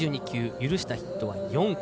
許したヒットは４本。